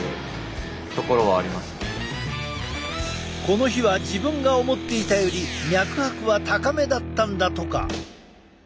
この日は自分が思っていたより脈拍は高めだったんだとか。